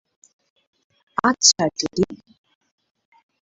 আচ্ছা, টেডি।